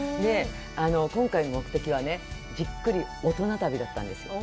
今回の目的はね、じっくり、大人旅だったんですよ。